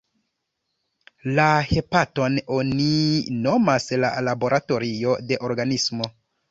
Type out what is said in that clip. La hepaton oni nomas la laboratorio de organismo.